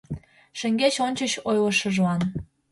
Шеҥгеч-ончыч ойлышыжлан